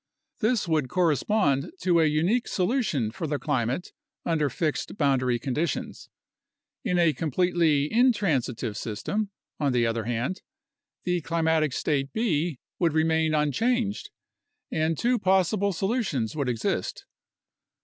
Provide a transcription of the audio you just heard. This would correspond to a unique solution for the climate under fixed boundary conditions. In a completely intransitive system, on the other hand, the climatic state B would remain unchanged, and two possible solutions would exist.